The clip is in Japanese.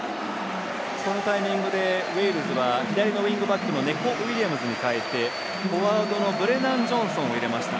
このタイミングでウェールズは左ウィングバックのネコ・ウィリアムズに代えてフォワードのブレナン・ジョンソンを入れました。